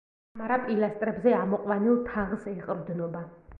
კამარა პილასტრებზე ამოყვანილ თაღს ეყრდნობა.